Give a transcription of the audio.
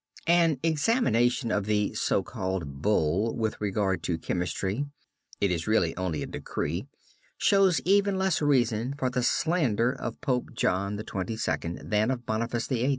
An examination of the so called Bull with regard to chemistry, it is really only a decree, shows even less reason for the slander of Pope John XXII. than of Boniface VIII.